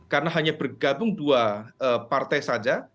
karena hanya bergabung dua partai saja